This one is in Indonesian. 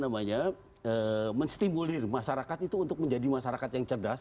menstimulir masyarakat itu untuk menjadi masyarakat yang cerdas